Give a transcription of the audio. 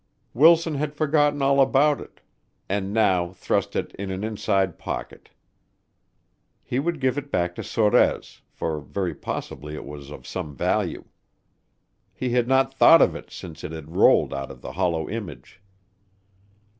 Wilson had forgotten all about it, and now thrust it in an inside pocket. He would give it back to Sorez, for very possibly it was of some value. He had not thought of it since it had rolled out of the hollow image.